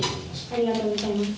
ありがとうございます。